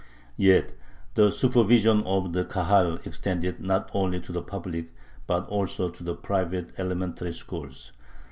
Yet the supervision of the Kahal extended not only to the public, but also to the private, elementary schools.